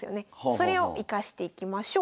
それを生かしていきましょう。